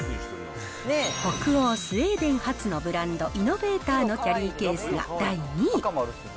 北欧、スウェーデン初のブランド、イノベーターのキャリーケースが第２位。